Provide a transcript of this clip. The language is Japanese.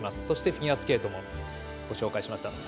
そして、フィギュアスケートもご紹介しました。